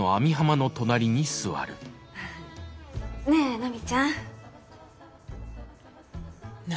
ねえ奈美ちゃん。何？